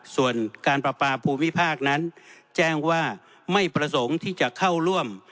ส่วนการประปาภูมิภาคนั้นแจ้งว่าไม่ประสงค์ที่จะเข้าร่วม